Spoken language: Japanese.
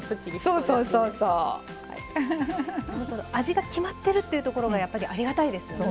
ほんと味が決まってるっていうところがやっぱりありがたいですよね。